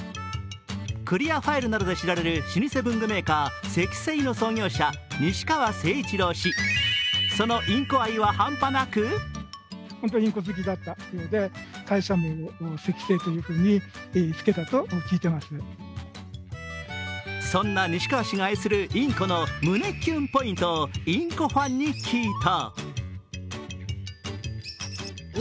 クリアファイルなどで知られる老舗文具メーカー、セキセイの創業者西川誠一郎氏、そのインコ愛は半端なくそんな西川氏が愛するインコの胸キュンポイントをインコファンに聞いた。